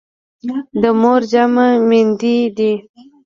د مور جمع میندي دي.